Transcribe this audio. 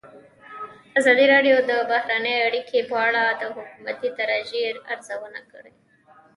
ازادي راډیو د بهرنۍ اړیکې په اړه د حکومتي ستراتیژۍ ارزونه کړې.